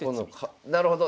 なるほど。